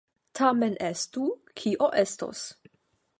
Tamen estu, kio estos!